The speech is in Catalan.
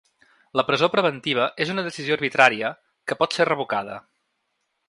La presó preventiva és una decisió arbitrària, que pot ser revocada.